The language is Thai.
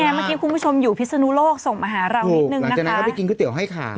นี่ไงเมื่อกี้คุณผู้ชมอยู่พิษณุโลกส่งมาหาเรานิดหนึ่งนะคะถูกหลังจากนั้นก็ไปกินก๋วยเตี๋ยวให้ค่ะ